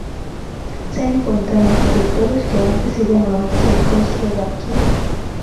Se encuentra en los territorios que antes se llamaban Checoslovaquia.